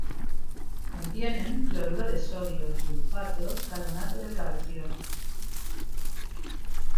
Contienen cloruro de sodio, sulfatos, carbonato de calcio.